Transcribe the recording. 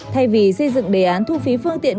thay vì xây dựng đề án thu phí phương tiện